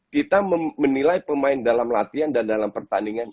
kita menilai pemain dalam latihan dan dalam pertandingan